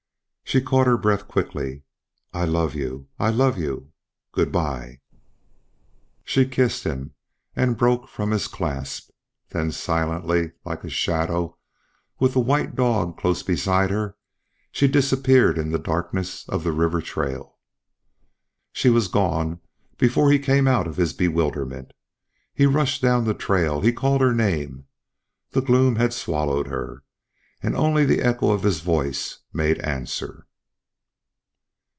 She caught her breath quickly: "I love you! I love you! Good bye!" She kissed him and broke from his clasp. Then silently, like a shadow, with the white dog close beside her, she disappeared in the darkness of the river trail. She was gone before he came out of his bewilderment. He rushed down the trail; he called her name. The gloom had swallowed her, and only the echo of his voice made answer.